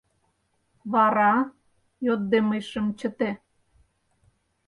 — Вара? — йодде мый шым чыте.